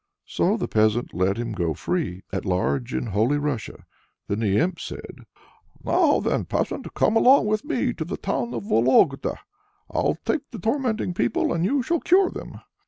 So the peasant let him go free at large in Holy Russia. Then the imp said: "Now then, peasant, come along with me to the town of Vologda. I'll take to tormenting people, and you shall cure them."